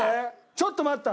ちょっと待った！